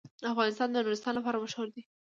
افغانستان د نورستان لپاره مشهور دی.